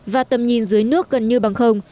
và tầm nhìn dưới nước gần như bằng không